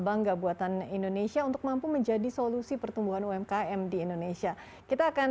bangga buatan indonesia untuk mampu menjadi solusi pertumbuhan umkm di indonesia kita akan